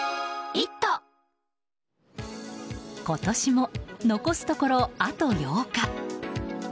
今年も残すところ、あと８日。